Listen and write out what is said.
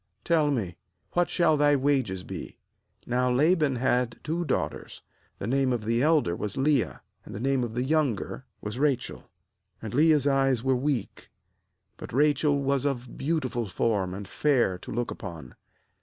tell me, what shall thy wages be?' 16Now Laban had two daughters: the name of the elder was Leah, and the name of the younger was Rachel. 17 And Leah's eyes were weak; but Rachel was of beautiful form and fair to look upon.